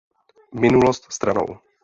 Minulost stranou.